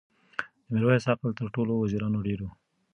د میرویس عقل تر ټولو وزیرانو ډېر و.